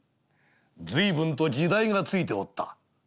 「随分と時代がついておった」。